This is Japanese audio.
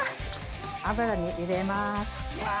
油に入れます。